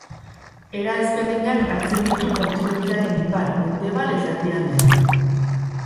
Era ezberdinak hartzen ditu kontinentearen ipar, mendebal eta erdialdean.